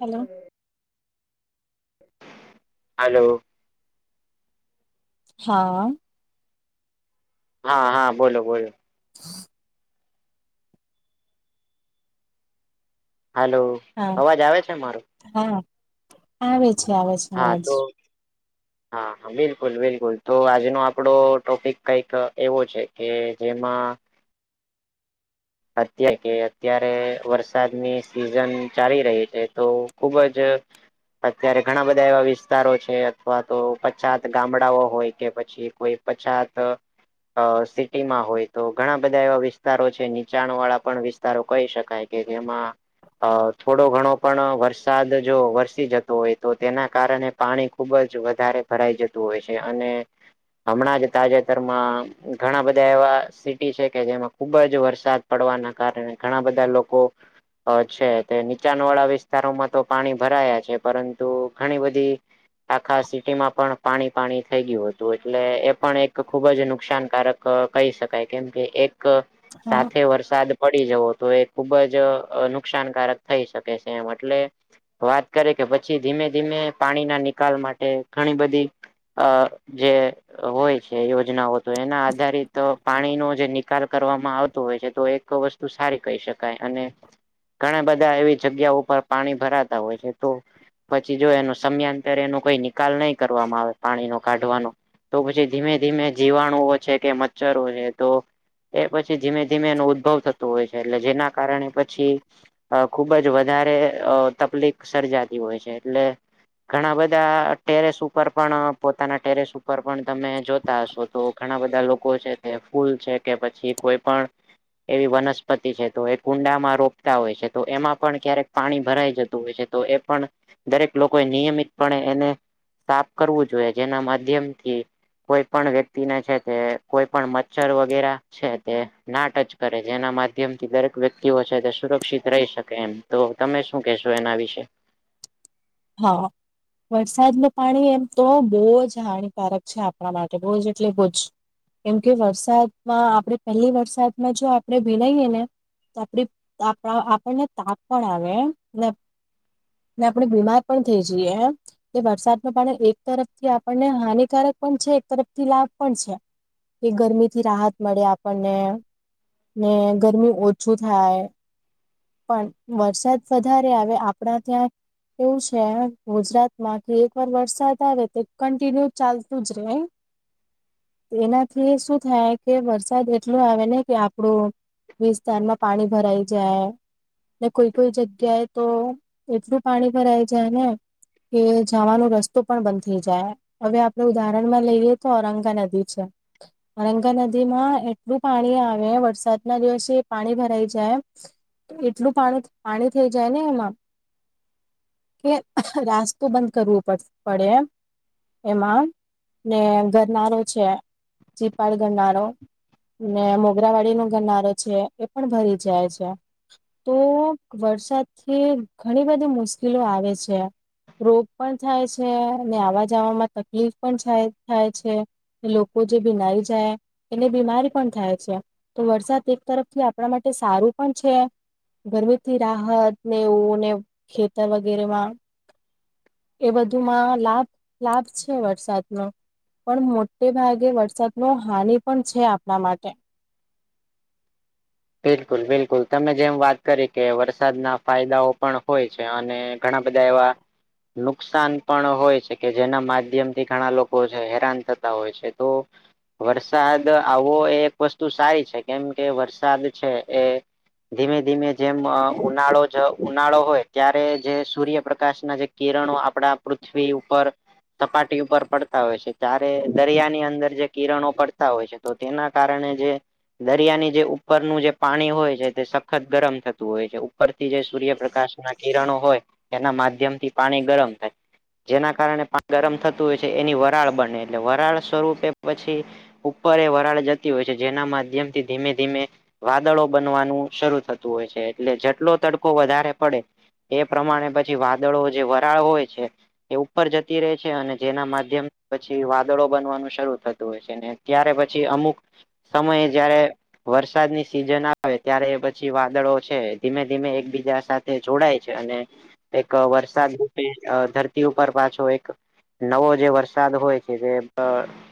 Hello hello. હા. હા હા બોલો બોલો. હા હલ્લો હા અવાજ આવે છે મારો હા આવે છે આવે છે. હા અવાજ તો હા હા. બિલકુલ બિલકુલ તો આજનો આપડો ટોપિક કઈક એવો છે કે જેમાં અત્યારે કે અત્યારે વરસાદની સિઝન ચાલી રહી છે તો ખુબ જ અત્યારે ઘણા બધા એવા વિસ્તારો છે અથવા તો પછાત ગામડાઓ હોય કે પછી કોઈ પછાત સિટી માં હોય તો ઘણા બધા એવા વિસ્તારો છે. વીચાણ વાળા પણ વિસ્તારો કહી શકાય કે જેમાં અ થોડો ઘણો પણ વરસાદ જો વરસી જતો હોય તો તેના કારણે પાણી ખુબ જ વધારે ભરાઈ જતું હોય છે અને હમણાં જ તાજેતરમાં ઘણા બધા એવા સિટી છે કે જેમાં ખુબ જ વરસાદ પડવાના કારણે ઘણા બધા લોકો છે તે નીચાણ વાળા વિસ્તારોમાં તો પાણી ભરાયા છે પરંતુ ઘણી બધી આખા સિટી માં પણ પાણી પાણી થઈ ગયું હતું એટલે એ પણ એક ખુબ જ નુકસાનકારક કહી શકાય કેમ કે એક હા. સાથે વરસાદ પડી જવો તો એ ખૂબ જ નુકસાનકારક થઈ શકે છે એમ એટલે વાત કરે કે પછી ધીમે ધીમે પાણી ના નિકાલ માટે ઘણી બધી અ જે હોય છે યોજનાઓ તો એના આધારિત પાણી નો જે નિકાલ કરવામાં આવે હોય છે તો એક વસ્તુ સારી કહી શકાય અને ઘણા બધા એવી જગ્યા ઉપર પાણી ભરાતા હોય છે તો પછી જો એ સમયાંતરે એનો કોઈ નિકાલ નહી કરવામાં આવે પાણી નો કાઢવાનો. તો પછી ધીમે ધીમે જીવાણુઓ છે કે મચ્છરો છે તો એ પછી ધીમે ધીમે એનો ઉદ્ભવ થતો હોય છે એટલે જેના કારણે પછી અ ખુબ જ વધારે તકલીફ સર્જાતી હોય છે એટલે ઘણા બધા ટેરેસ ઉપર પણ પોતાના ટેરેસ ઉપર પણ તમે જોતા હશો. તો ઘણા બધા લોકો છે તે ફૂલ છે કે પછી કોઈ પણ એવી વનસ્પતિ છે તો એ કુંડામાં રોપતા હોય છે તો એમાં પણ ક્યારેક પાણી ભરાઈ જતું હોય છે. તો એ પણ દરેક લોકો એ નિયમિતપણે એને સાફ કરવું જોઈએ જેના માધ્યમ થી કોઈ પણ વ્યક્તિને છે તે કોઈ પણ મચ્છર વગેરે છે. તે ના ટચ કરે જેના માધ્યમ થી દરેક વ્યક્તિઓ છે તે સુરક્ષિત રહી શકે એમ. તો તમે શું કહેશો એના વિશે? હા. વરસાદ ન પાણી એમ તો બહુ જ હાનિકારક છે આપણા માટે બહુજ એટલે બહુજ. કેમકે વરસાદમાં આપણે પહેલી વરસાદમાં જો આપણે ભીનાઈએ ને આપ આપણને તાવ પણ આવે એ આપડે બીમાર પણ થઈ જઈએ. એ વરસાદ ન પાણી એક તરફ થી આપણને હાનિકારક પણ છે એક તરફથી લાભ પણ છે. એ ગરમી થી રાહત મળે આપણને ને ગરમી ઓછું થાય. પણ વરસાદ વધારે આવે આપણા ત્યાં એવું છે ગુજરાતમાં કે એક વાર વરસાદ આવે તે કન્ટિન્યુ ચાલતું જ રે એનાથી શું થાય કે વરસાદ એટલો આવે ને કે આપડું વિસ્તારમાં પાણી ભરાઈ જાય. ને કોઈ કોઈ જગ્યાએ તો એટલું પાણી ભરાય જાય ને કે જવાનો રસ્તો પણ બંધ થઇ જાય. હવે આપડણે ઉદાહરણ માં લઈએ તો ઔરંગા નદી છે. ઔરંગા નદી માં એટલું પાણી આવે વરસાદ ના દિવસે એ પાણી ભરાઈ જાય. એટલું પાણી પાણી થઈ જાય ને એમાં. કે રાસ્તો બંધ કરવું પડ પડે એમ એમાં ને ગરનારો છે ચીપાડ ગરનારો ને મોગરાવાડી નો ગનારો છે એ પણ ભરી જાય છે. તો વરસાદથી ઘણી બધી મુશ્કેલો આવે છે. રોગ પણ થાય છે અને આવવા જવામાં તકલીફ પણ થાય છે. લોકો જે બીનાઈ જાય એને બીમારી પણ થાય છે. તો વરસાદ એક તરફ થી આપણા માટે સારું પણ છે. ગરમીથી રાહત ને એવુંને ખેતર વગેરેમાં એ બધુમાં લાભ લાભ છે વરસાદનો. પણ મોટે ભાગે વરસાદ નો હાનિ પણ છે આપણા માટે. બિલકુલ બિલકુલ તમે જેમ વાત કરી કે વરસાદના ફાયદાઓ પણ હોય છે અને ઘણા બધા એવા નુકસાન પણ હોય છે કે જેના માધ્યમથી ઘણા લોકો હેરાન થતા હોય છે તો વરસાદ આવો એ એક વસ્તુ સારી છે કેમ કે વરસાદ છે એ ધીમે ધીમે જેમ ઉનાળો જ ઉનાળો હોય ત્યારે જે સૂર્યપ્રકાશ ના જે કિરણો આપડા પૃથ્વી ઉપર સપાટી ઉપર પડતા હોય છે ત્યારે દરિયાની અંદર જે કિરણો પડતા હોય છે. તો તેના કારણે જે દરિયાની જે ઉપરનું જે પાણી હોય છે તે સખત ગરમ થતું હોય છે ઉપરથી જે સૂર્યપ્રકાશ ના કિરણો હોય. એના માધ્યમ થી પાણી ગરમ થાય. જેના કારણે પાણી ગરમ થતું હોય છે એની વરાળ બને એટલે વરાળ સ્વરૂપે પછી ઉપર એ વરાળ જતી હોય છે જેના માધ્યમથી ધીમે ધીમે વાદળો બનવાનું શરૂ થતું હોય છે એટલે જેટલો તડકો વધારે પડે. એ પ્રમાણે પછી વાદળો જે વરાળ હોય છે. એ ઉપર જતી રહે છે, અને જેના માધ્યમ પછી વાદળો બનવાનું શરૂ થતું હોય છે, ને ત્યારે પછી અમુક સમય જયારે વર્ષ વરસાદની સીઝન આવે ત્યારે પછી વાદળો છે, ધીમે ધીમે એકબીજા સાથે જોડાય છે, અને એક વરસાદ રૂપે અ ધરતી ઉપર પાછો એક નવો જે વરસાદ હોય છે જે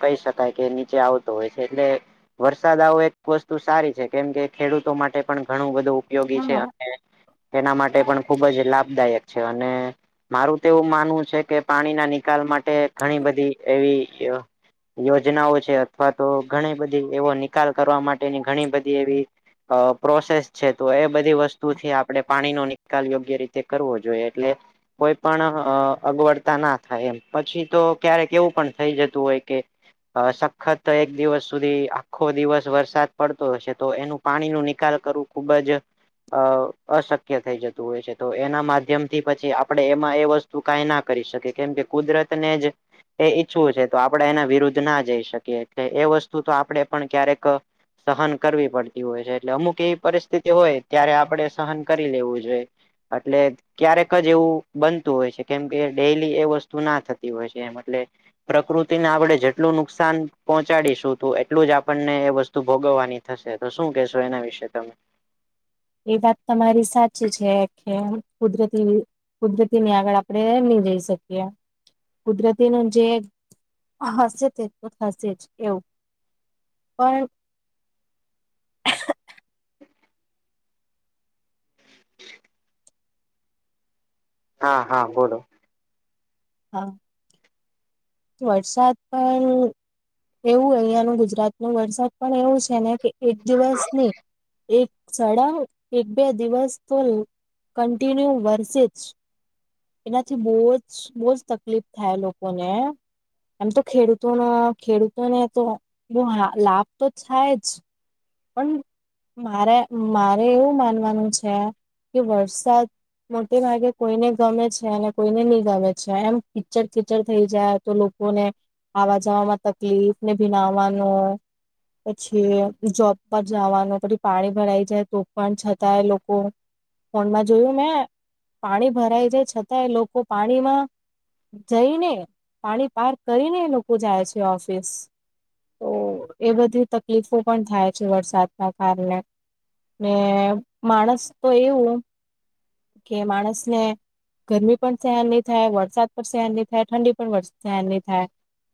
કહી શકાય કે નીચે આવતો હોય છે એટલે વરસાદ આવો એક વસ્તુ સારી કેમ કે ખેડૂતો માટે પણ ઘણું બધું ઉપયોગી છે, હા અને એના માટે પણ ખૂબ જ લાભદાયક છે અને મારું તો એવું માનવું છે કે પાણીના નિકાલ માટે ઘણી બધી એવી યોજનાઓ છે અથવા તો ઘણી બધી એવો નિકાલ કરવા માટેની ઘણી બધી એવી અ પ્રોસેસ છે, તો એ બધી વસ્તુથી આપણે પાણીનો નિકાલ યોગ્ય રીતે કરવો જોઈએ એટલે કોઈ પણ અગવડતા ના થાય એમ પછી તો ક્યારેક એવું પણ થઈ જતું હોય કે અ સખત એક દિવસ સુધી આખો દિવસ વરસાદ પડતો હશે તો એનું પાણીનું નિકાલ કરવું ખુબ જ અ અશક્ય થઈ જતું હોય છે, તો એના માધ્યમથી પછી આપણે એમાં એ વસ તુ કાઈ ના કરી શકે કેમ કે કુદરત ને જ એ ઈચ્છવું છે, તો આપણે એના વિરુદ્ધ ના જઈ શકીએ એટલે એ વસ્તુ તો આપણેે પણ ક્યારેક સહન કરવી પડતી હોય છે, એટલે અમુક એવી પરિસ્થિતિ હોય ત્યારે આપડે સહન કરી લેવું જોઈએ અટલે ક્યારેક જ એવું બનતું હોય છે, કેમ કે ડેલી એ વસ્તુ ના થતી હોય છે એમ અટલે પ્રકૃતિને આપડે જેટલું નુકસાન પોહોંચાડીશું તું એટલું જ આપણને એ વસ્તુ ભોગવવાની થશે તો શું કેશો એના વિશે તમે એ વાત તમારી સાચી છે, કે કુદરતી કુદરતીની આગળ આપણે ની રેય શકીએ કુદરતીનું જે હશે તે તો થશે જ એવું પણ હા હા બોલો હા. વરસાદ પણ એવું અહિયાંનુ ગુજરાતનુ વરસાદ પણ એવું છે, ને કે એક દિવસ ની એક સાળા એક બે દિવસ તો કન્ટિન્યુ વર્સે જ એનાથી બો જ બો જ તકલીફ થાય લોકોને એમ તો ખેડૂતોનો ખેડૂતોને તો બો લાભ તો થાય જ પણ મારે મારે એવું માનવાનું છે, કે વરસાદ મોટે ભાગે કોઈને ગમે છે, અને કોઈને ની ગમે છે, એમ પિક્ચર કિ્ચર થઈ જાય તો લો કોને આવા જવામા તકલીફ ને ભીનાવાનો પછી જોબ જાવાનું પછી પાણી ભરાઈ જાય તો પણ છતાંય લોકો ફોનમાં જોયું મેં પાણી ભરાય જાય છતાં એ લોકો પાણીમાં જઈને પાણી પાર કરીને એ લોકો જાય છે, ઓફિસ તો એ બધી તકલીફો પણ થાય વરસાદના કારણે ને માણસ તો એવું કે માણસને ગરમી પણ સહેન ની થાય વરસાદ પણ સહેન ની થાય ઠંડી પણ સહેન ની થાય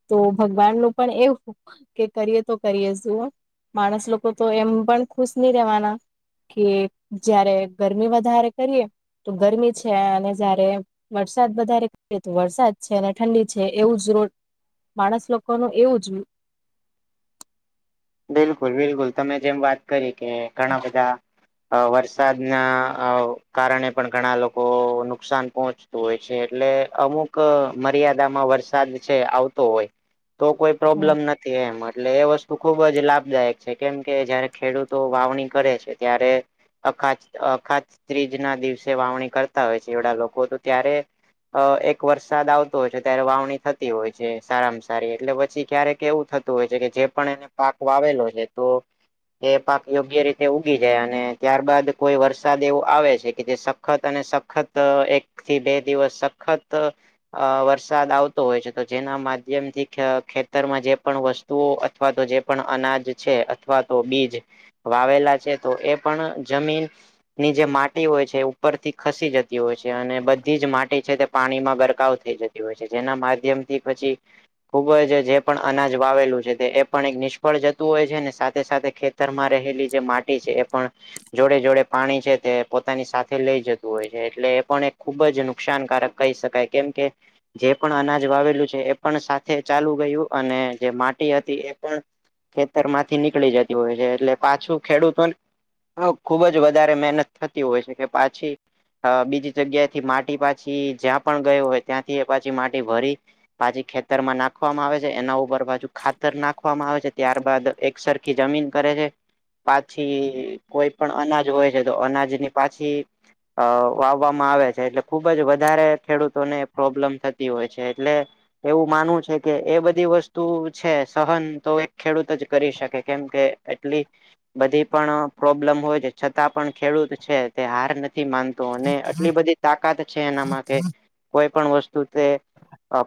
તો ભગવાનનું પણ એવું કે કરીએ તો કરીએ જુઓ માણસ લોકો તો એમ પણ ખુશ ની રેવાના કે જયારે ગરમી વધારે કરીએ તો ગરમી છે, અને જયારે વરસાદ વધારે એ તો વરસાદ છે, અને ઠંડી છે, એવું જ રો માણસ લોકોનું એવું જ બિલકુલ બિલકુલ તમે જેમ વાત કરી કે ઘણા બધા અ વરસાદના અ કારણે પણ ઘણા લોકો નુકસાન પહોં તો હોય છે, એટલે અમુક મર્યાદામાં વરસાદ છે, આવતો હોય તો કોઈ જ પ્રોબ્લેમ નથી એમ એટલે એ વસ્તુ ખૂબ જ લાભદાયક છે કેમ કે જયારે ખેડૂતો વાવણી કરે છે ત્યારે અખાત અખાત ત્રીજ ના દિવસે વાવણી કરતા હોય છે, એવડા લોકો તો ત્યારે અ એક વરસાદ આવતો હોય છે, ત્યારે વાવણી થતી હોય છે, સારામાં સારી એટલે પછી ક્યારે કે એવું થ તુ હોય છે, કે જે પણ એને પાક વાવેલો છે, તો એ પાક યોગ્ય રીતે ઉગી જાય અને ત્યારબાદ કોઈ વરસાદ એવું આવે છે કે જે સખત અને સખત એક થી બે દિવસ સખત અ વરસાદ આવતો હોય છે તો જેના માધ્યમથી ખેતરમાં જે પણ વસ્તુઓ અથવા તો જે પણ અનાજ છે અથવા તો બીજ વાવેલા છે તો એ પણ જમીન ની જે માટી હોય છે ઉપરથી ખસી જતી હોય છે અને બધી જ માટી છે તે પાણી માં ગરકાવ થઈ જતી જેના માધ્યમથી પછી ખુબ જ જે પણ અનાજ વાવેલું છે એ પણ એક નિ ફળ જતું હોય છે ને સાથે સાથે ખેતરમાં રહેલી જે માટી છે એ પણ જોડે જોડે પાણી છે તે પોતાની સાથે લઈ જતું હોય છે એટલે એ પણ એક ખુબ જ નુકસાનકારક કહી શકાય કેમ કે જે પણ અનાજ વાવેલું છે એ પણ સાથે ચાલુ ગયું અને જે માટી હતી એ પણ ખેતર માંથી નીકળી જતી હોય છે એટલે પાછું ખેડૂતોને હ ખુબ જ વધારે મહેનત થતી હોય છે કે પાછી અ બીજી જગ્યાથી માટી પાછી જ્યાં પણ ગઈ હોય ત્યાંથી પાછી માટી ભરી પાછી ખેતરમાં નાખવામાં આવે છે એના ઉપર પાછુ ખાતર નાખવામાં આવે છે. ત્યારબાદ એક સરખી જમીન કરે છે. પાછી કોઈ પણ અનાજ હોય છે તો અનાજની પાછી અ વાવવામાં આવે છે એટલે ખુબ જ વધારે ખેડૂતોને પ્રોબ્લેમ થતી હોય છે એટલે એવું માનવુ છે કે એ બધી વસ્તુ છે સહન તો ખેડૂત જ કરી શકે કેમ કે એટલી બધી પણ પ્રોબ્લેમ હોય છે છતાં પણ ખેડૂત છે તે હાર નથી માનતો તો અને આટલી બધી તાકાત છે એનામાં કે કોઈ પણ વસ્તુ તે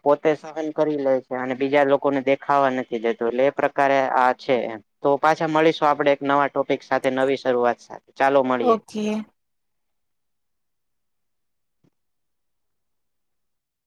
પોતે સહન કરી લે છે અને બીજા લોકોને દેખાવા નથી દેતો એટલે એ પ્રકાર છે તો પાછા મળીશું આપડે એક નવા ટોપિક સાથે નવી શરૂઆત સાથે ચાલો મળીએે. ઓકે